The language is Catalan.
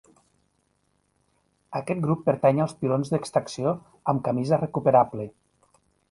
Aquest grup pertany als pilons d'extracció amb camisa recuperable.